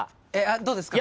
どうですか？